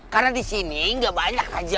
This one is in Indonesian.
karena disini gak banyak aja polisinya